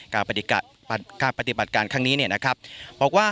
การปฏิบัติการครั้งนี้เนี่ยนะครับบอกว่า